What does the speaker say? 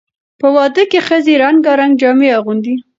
په واده کې ښځې رنګارنګ جامې اغوندي.